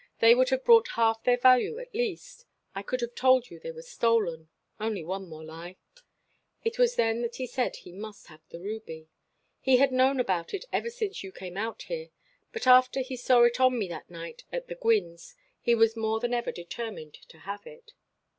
They would have brought half their value at least. I could have told you they were stolen only one more lie. It was then he said he must have the ruby. He had known about it ever since you came out here, but after he saw it on me that night at the Gwynnes' he was more than ever determined to have it.